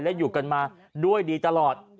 และอยู่กันมาด้วยดีตลอด